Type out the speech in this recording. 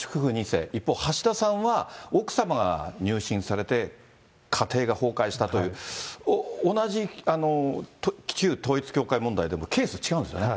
２世、一方、橋田さんは奥様が入信されて家庭が崩壊したという、同じ旧統一教会問題でもケース違うんですよね。